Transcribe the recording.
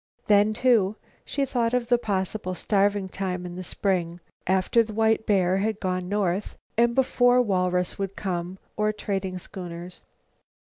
Then, too, she thought of the possible starving time in the spring, after the white bear had gone north and before walrus would come, or trading schooners.